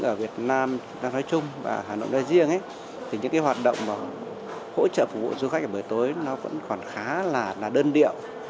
ở việt nam nói chung và hà nội nói riêng thì những hoạt động hỗ trợ phục vụ du khách ở buổi tối vẫn khá là đơn điệu